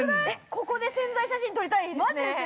◆ここで宣材写真撮りたいですね。